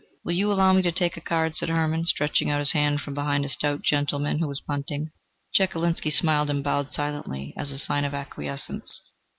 "Will you allow me to take a card?" said Hermann, stretching out his hand from behind a stout gentleman who was punting. Chekalinsky smiled and bowed silently, as a sign of acquiescence.